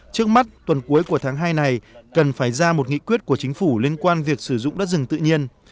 trước mắt tuần cuối của tháng hai này cần phải ra một nghị quyết của chính phủ liên quan việc sử dụng đất rừng tự nhiên